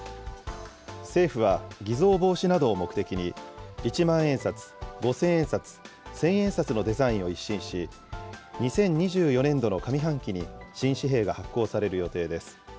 政府は偽造防止などを目的に、一万円札、五千円札、千円札のデザインを一新し、２０２４年度の上半期に新紙幣が発行される予定です。